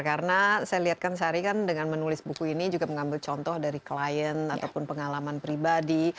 karena saya lihatkan sari kan dengan menulis buku ini juga mengambil contoh dari klien ataupun pengalaman pribadi